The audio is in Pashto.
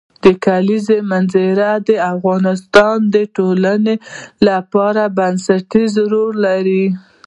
د کلیزو منظره د افغانستان د ټولنې لپاره بنسټيز رول لري.